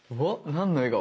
何の笑顔？